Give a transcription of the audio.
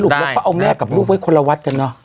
สรุปว่าพ่อแม่กับลูกไว้คนละวัดกันเนาะ